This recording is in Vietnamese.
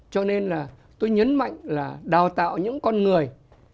cho nên là tôi nhấn mạnh là đào tạo những con người